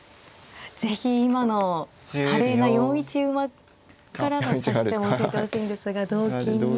是非今の華麗な４一馬からの指し手を教えてほしいんですが同金に。